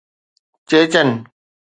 چيچن